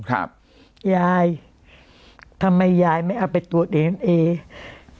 ครับยายทำไมยายไม่เอาไปตรวจดีเอนเอ